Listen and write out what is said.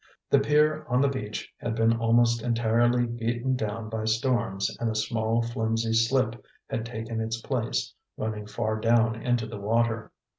The pier on the beach had been almost entirely beaten down by storms, and a small, flimsy slip had taken its place, running far down into the water.